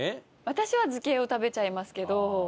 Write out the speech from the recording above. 私は漬けを食べちゃいますけど。